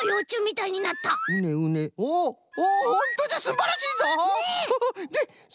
うねうねおほんとじゃすんばらしいぞ！